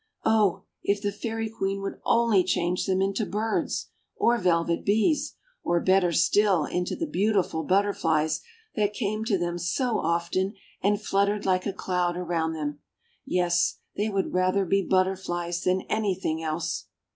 Oh! if the Fairy Queen would only change them into birds, or velvet bees, or, better still, into the beautiful butterflies, that came to them so often and fluttered like a cloud around them. Yes, they would rather be butterflies than anything else.